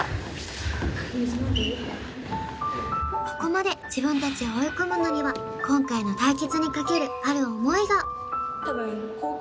ここまで自分たちを追い込むのには今回の対決にかけるある思いが・